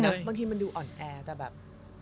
มันดูอ่อนแอนะบางทีมันดูอ่อนแอแต่แบบ